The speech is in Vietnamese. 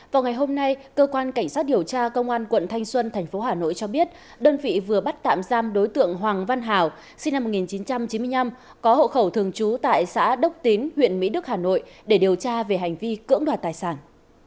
vào ngày hôm nay cơ quan cảnh sát điều tra công an quận thanh xuân tp hà nội cho biết đơn vị vừa bắt tạm giam đối tượng hoàng văn hảo sinh năm một nghìn chín trăm chín mươi năm có hộ khẩu thường trú tại xã đốc tín huyện mỹ đức hà nội để điều tra về hành vi cưỡng đoạt tài sản